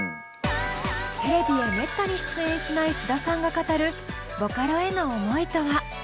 テレビへめったに出演しない須田さんが語るボカロへの思いとは？